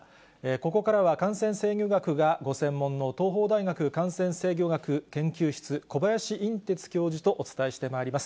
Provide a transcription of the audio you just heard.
ここからは、感染制御学がご専門の東邦大学感染制御学研究室、小林寅てつ教授とお伝えしてまいります。